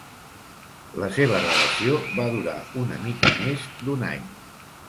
La seva relació va durar una mica més d'un any.